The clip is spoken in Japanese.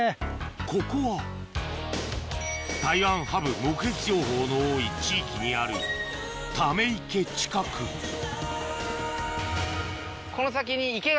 ここはタイワンハブ目撃情報の多い地域にあるため池近くはい。